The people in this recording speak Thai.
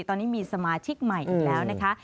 ตอนนี้มีสมาชิกใหม่อีกแล้วนะคะ